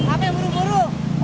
apa yang buruk buruk